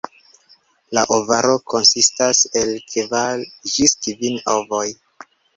La ovaro konsistas el kvar ĝis kvin ovoj.